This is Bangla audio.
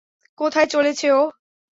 কোথায় চলেছে ও?